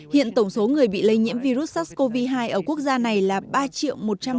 hiện tổng số người bị lây nhiễm virus sars cov hai ở quốc gia này là ba một trăm linh năm một trăm tám mươi năm ca